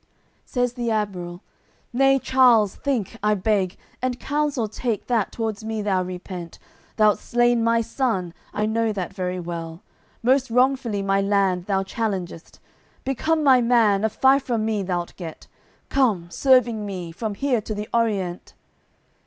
AOI. CCLX Says the admiral: "Nay, Charles, think, I beg, And counsel take that t'wards me thou repent! Thou'st slain my son, I know that very well; Most wrongfully my land thou challengest; Become my man, a fief from me thou'lt get; Come, serving me, from here to the Orient!"